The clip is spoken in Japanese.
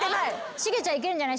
シゲちゃんいけるんじゃない？